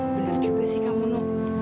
bener juga sih kamu nuk